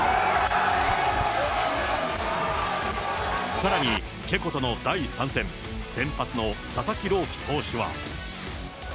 さらにチェコとの第３戦、先発の佐々木朗希投手は。